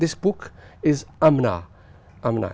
và bức tượng này là